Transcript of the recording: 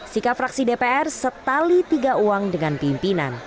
sikap fraksi dpr setali tiga uang dengan pimpinan